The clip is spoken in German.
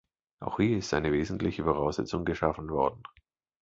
Auch hier ist eine wesentliche Voraussetzung geschaffen worden.